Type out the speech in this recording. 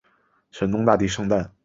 神农大帝圣诞